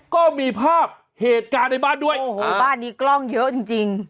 ก็มีภาพเหตุการณ์ในบ้านด้วยโอ้โหบ้านนี้กล้องเยอะจริงจริง